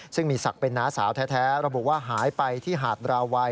ซึ่งมีศักดิ์เป็นน้าสาวแท้ระบุว่าหายไปที่หาดราวัย